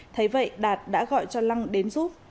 thấy vậy đạt đã gọi cho lăng đến giúp